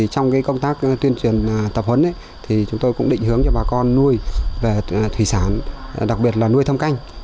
trong công tác tuyên truyền tập huấn chúng tôi cũng định hướng cho bà con nuôi về thủy sản đặc biệt là nuôi thâm canh